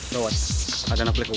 tauan ada naflek gue